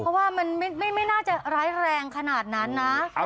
เพราะว่ามันไม่น่าจะร้ายแรงขนาดนั้นนะ